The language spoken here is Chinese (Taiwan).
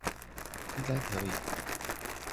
應該可以